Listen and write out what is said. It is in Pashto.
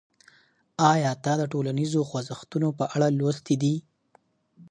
آیا تا د ټولنیزو خوځښتونو په اړه لوستي دي؟